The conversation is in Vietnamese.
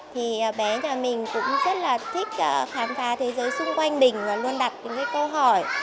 thì bé nhà mình cũng rất là thích khám phá thế giới xung quanh mình và luôn đặt những câu hỏi